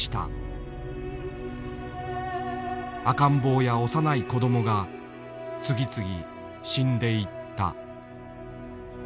赤ん坊や幼い子供が次々死んでいった。